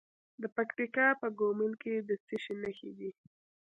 د پکتیکا په ګومل کې د څه شي نښې دي؟